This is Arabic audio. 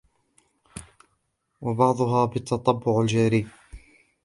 وَبَعْضُهَا بِالتَّطَبُّعِ الْجَارِي